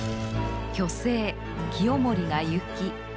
巨星清盛が逝き